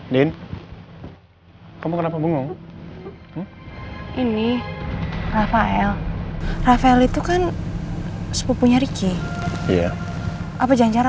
sampai jumpa di video selanjutnya